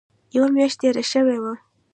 یوه میاشت تېره شوې وه.